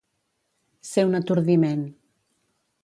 Ser un atordiment.